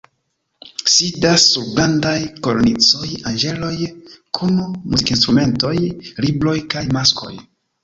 Sidas sur grandaj kornicoj anĝeloj kun muzikinstrumentoj, libroj kaj maskoj.